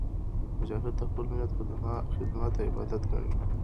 مجاهد د خپل ملت خدمت عبادت ګڼي.